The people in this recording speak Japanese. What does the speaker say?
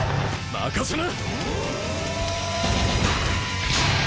任せな！